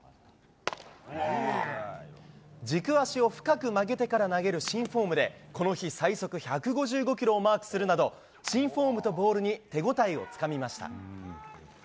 軸足を深く曲げてから投げる新フォームで、この日、最速１５５キロをマークするなど、新フォームとボールに手応えをつかみました。